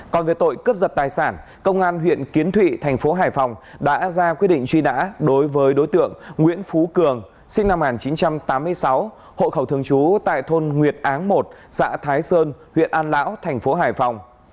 còn về tội cướp giật tài sản công an huyện kiến thụy thành phố hải phòng đã ra quyết định truy nã đối với đối tượng nguyễn phú cường sinh năm một nghìn chín trăm tám mươi sáu hộ khẩu thường trú tại thôn nguyệt áng một xã thái sơn huyện an lão thành phố hải phòng